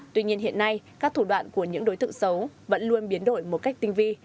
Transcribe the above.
tuy nhiên hiện nay các thủ đoạn của những đối tượng xấu vẫn luôn biến đổi một cách tinh vi